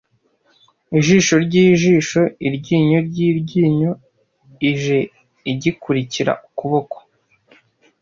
Ijisho ryijisho - Iryinyo ryinyo ije igikurikira Ukuboko